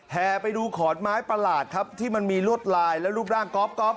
แห่ไปดูขอนไม้ประหลาดครับที่มันมีลวดลายและรูปร่างก๊อบ